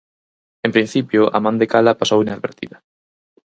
En principio, a man de Cala pasou inadvertida.